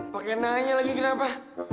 pakai nanya lagi kenapa